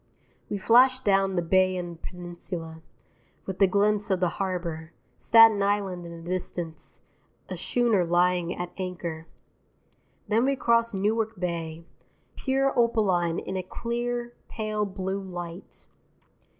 We flash down the Bayonne peninsula, with a glimpse of the harbour, Staten Island in the distance, a schooner lying at anchor. Then we cross Newark Bay, pure opaline in a clear, pale blue light.